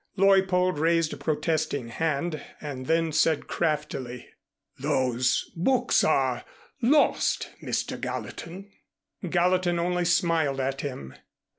Leuppold raised a protesting hand and then said craftily: "Those books are lost, Mr. Gallatin." Gallatin only smiled at him.